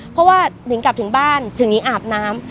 เพราะว่านิงกลับถึงบ้านถึงนิงอาบน้ำ